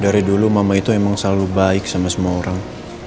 dari dulu mama itu emang selalu baik sama semua orang